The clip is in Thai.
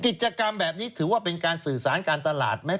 กิจกรรมแบบนี้ถือว่าเป็นการสื่อสารการตลาดไหม